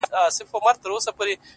ځوان يوه غټه ساه ورکش کړه;